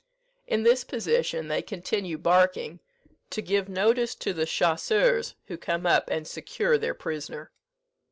In this position they continue barking, to give notice to the chasseurs, who come up and secure their prisoner.